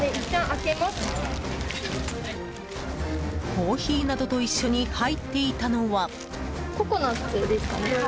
コーヒーなどと一緒に入っていたのは。